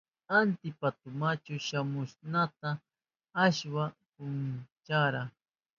¿Atipankimachu shamunata ashwan punchara?